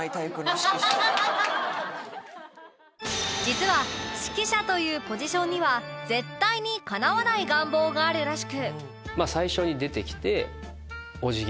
実は指揮者というポジションには絶対にかなわない願望があるらしく